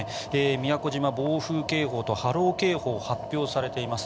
宮古島、暴風警報と波浪警報が発表されています。